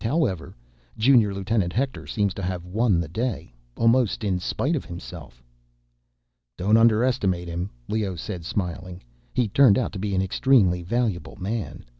However, Junior Lieutenant Hector seems to have won the day ... almost in spite of himself." "Don't underestimate him," Leoh said, smiling. "He turned out to be an extremely valuable man.